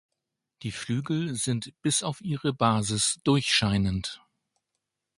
Die Flügel sind bis auf ihre Basis durchscheinend.